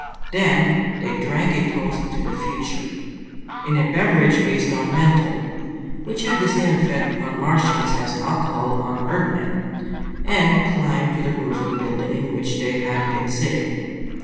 Then they drank a toast to the future in a beverage based on menthol, which had the same effect on Martians as alcohol on Earthmen and climbed to the roof of the building in which they had been sitting.